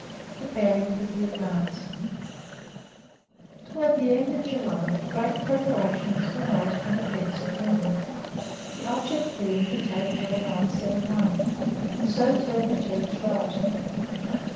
PREPARING FOR THE ADVANCE Towards the end of July great preparations were made for an offensive movement, the object being to take Hill 971 and so turn the Turk's right.